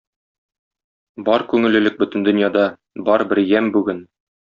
Бар күңеллелек бөтен дөньяда, бар бер ямь бүген.